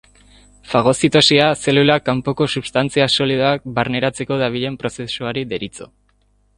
Fagozitosia, zelulak kanpoko substantzia solidoak barneratzeko darabilen prozesuari deritzo.